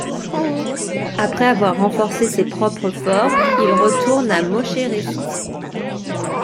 Après avoir renforcé ses propres forts, il retourne à Mocheresis.